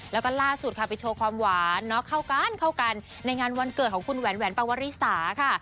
แล้วก็ล่าสุดค่ะไปโชว์ความหวานเข้ากันในงานวันเกิดของคุณแหวนปวริสาค่ะ